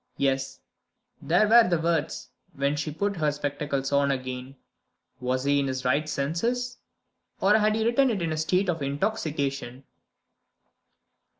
Yes: there were the words, when she put her spectacles on again. Was he in his right senses? or had he written in a state of intoxication?